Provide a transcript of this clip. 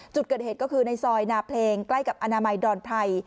จุดเกิดเหตุก็คือในซอยนาเพลงใกล้กับอนามัยดอนไพร